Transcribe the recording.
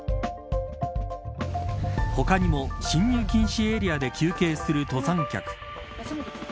他にも、進入禁止エリアで休憩する登山客。